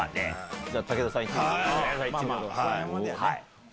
はい。